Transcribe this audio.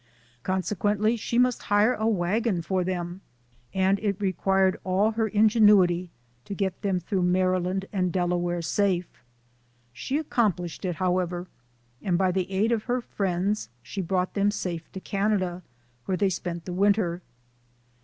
Consequently she must hire a wagon for them, and it required all her ingenuity to get them through Maryland and Delaware safe. She accomplished it, however, and by the aid of her friends she brought them safe to Canada, where they spent the winter.